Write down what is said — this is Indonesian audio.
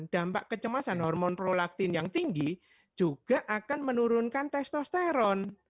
dampak kecemasan hormon prolaktin yang tinggi juga akan menurunkan testosteron